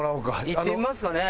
いってみますかね。